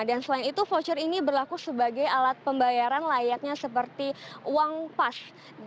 dan selain itu voucher ini berlaku sebagai alat pembayaran layaknya seperti uang pas